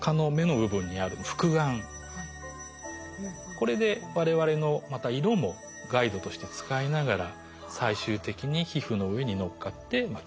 これでわれわれのまた色もガイドとして使いながら最終的に皮膚の上にのっかって吸血を始めると。